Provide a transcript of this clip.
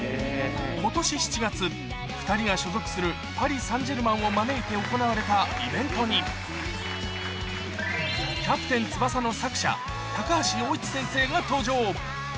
ことし７月、２人が所属するパリサンジェルマンを招いて行われたイベントに、キャプテン翼の作者、高橋陽一先生が登場。